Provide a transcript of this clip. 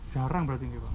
jarang berarti ini pak